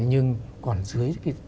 nhưng còn dưới